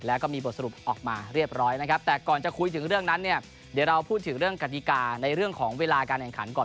แล้วก็มีบทสรุปออกมาเรียบร้อยนะครับแต่ก่อนจะคุยถึงเรื่องนั้นเนี่ยเดี๋ยวเราพูดถึงเรื่องกฎิกาในเรื่องของเวลาการแข่งขันก่อน